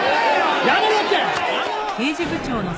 やめろって！